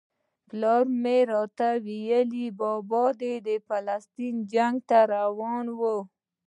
پلار به مې راته ویل بابا دې د فلسطین جنګ ته روان و.